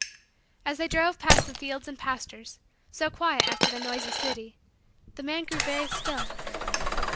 As they drove past the fields and pastures, so quiet after the noisy city, the man grew very still.